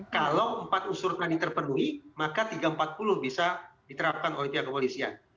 kalau empat unsur tadi terpenuhi maka tiga ratus empat puluh bisa diterapkan oleh pihak kepolisian